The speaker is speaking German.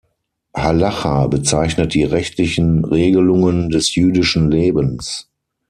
Halacha bezeichnet die rechtlichen Regelungen des jüdischen Lebens.